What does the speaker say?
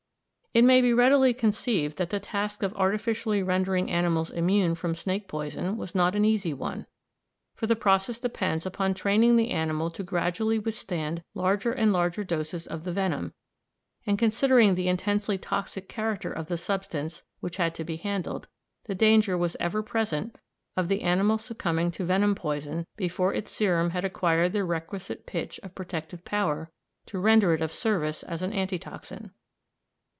It may be readily conceived that the task of artificially rendering animals immune from snake poison was not an easy one, for the process depends upon training the animal to gradually withstand larger and larger doses of the venom; and considering the intensely toxic character of the substance which had to be handled, the danger was ever present of the animal succumbing to venom poison before its serum had acquired the requisite pitch of protective power to render it of service as an anti toxin. Dr.